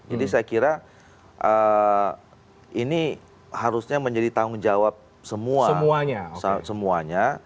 jadi saya kira ini harusnya menjadi tanggung jawab semuanya